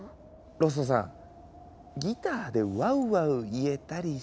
ロッソさんギターで「ワウワウ」言えたりしないですよね？